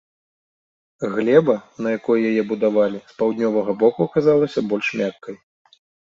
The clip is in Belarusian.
Глеба, на якой яе будавалі, з паўднёвага боку аказалася больш мяккай.